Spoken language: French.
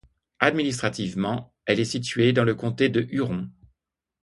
Administrativement, elle est située dans le comté de Huron.